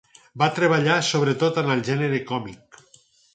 Va treballar sobretot en el gènere còmic.